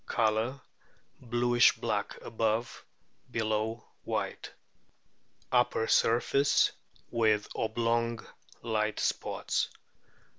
Colour bluish black above, below white ; upper surface with oblong light spots.